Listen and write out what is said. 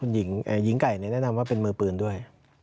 หญิงไก่แนะนำว่าเป็นมือปืนด้วย